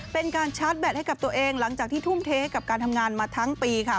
เป็นการชาร์จแบตให้กับตัวเองหลังจากที่ทุ่มเทกับการทำงานมาทั้งปีค่ะ